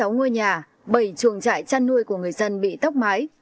hai mươi sáu ngôi nhà bảy trường trại chăn nuôi của người dân bị tóc mái